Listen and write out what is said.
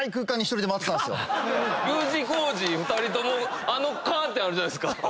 ２人ともあのカーテンあるじゃないですか。